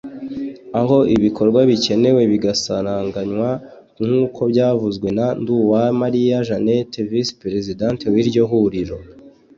aho ibikorwa bikenewe bigasaranganywa nk’uko byavuzwe na Nduwamariya Jeannette Vice Perezidante w’iryo huriro